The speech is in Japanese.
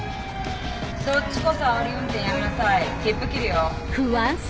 そっちこそあおり運転やめなさい切符切るよ。